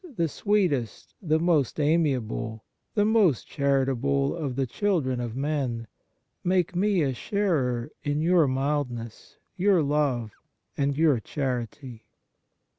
the sweetest, the most amiable, the most charitable of the children of men, make me a sharer in Your mildness, Your love, and Your charity.